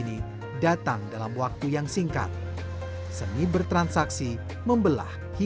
saya nggak tahu sih semua durian suka kayak gitu loh pak